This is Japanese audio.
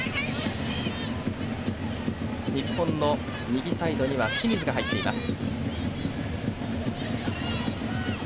日本の右サイドには清水が入っています。